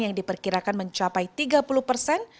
yang diperkirakan mencapai tiga puluh persen